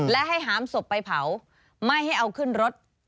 และให้หามศพไปเผาไม่ให้เอาขึ้นรถ